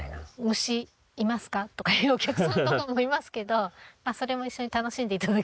「虫いますか？」とか言うお客さんとかもいますけどまあそれも一緒に楽しんで頂ければなと。